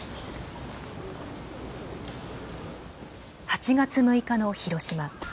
８月６日の広島。